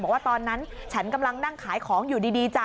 บอกว่าตอนนั้นฉันกำลังนั่งขายของอยู่ดีจ้ะ